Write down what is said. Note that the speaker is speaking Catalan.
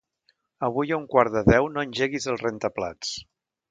Avui a un quart de deu no engeguis el rentaplats.